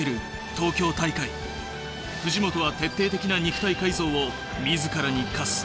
東京大会藤本は徹底的な肉体改造を自らに課す。